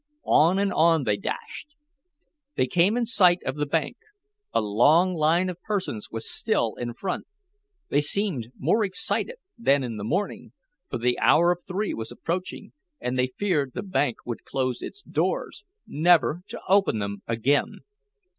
On and on they dashed. They came in sight of the bank. A long line of persons was still in front. They seemed more excited than in the morning, for the hour of three was approaching, and they feared the bank would close its doors, never to open them again.